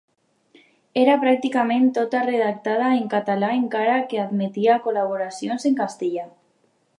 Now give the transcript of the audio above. Era pràcticament tota redactada en català encara que admetia col·laboracions en castellà.